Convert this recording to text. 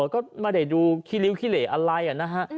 ก็มาเดินดูคิลิวคิเลอะไรอะนะฮะ